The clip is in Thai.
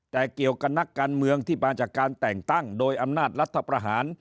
แต่เกี่ยวกับนักการเมืองที่มาจากการแต่งตั้งโดยอำนาจรัฐประหาร